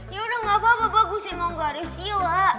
ya udah gak apa apa bagus sih kalo gak ada sila